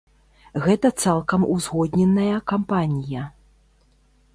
Гэта цалкам узгодненая кампанія.